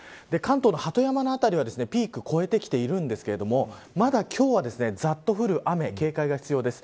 関東の鳩山の辺りはピークを超えてきているんですがまだ今日は、ざっと降る雨警戒が必要です。